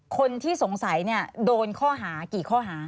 คนที่สงสัยโดนข้อหากี่ข้อหา